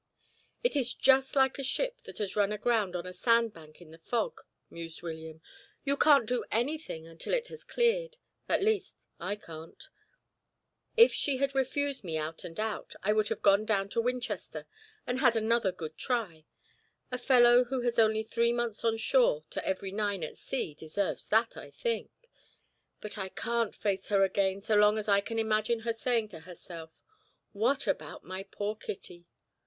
"It is just like a ship that has run aground on a sandbank in the fog," mused William. "You can't do anything until it has cleared at least, I can't. If she had refused me out and out, I would have gone down to Winchester and had another good try a fellow who has only three months on shore to every nine at sea deserves that, I think but I can't face her again as long as I can imagine her saying to herself, 'What about my poor Kitty?'